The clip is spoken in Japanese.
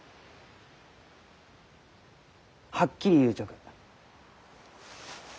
はっきり言うちょく。